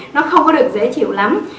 nó không có được dễ chịu lắm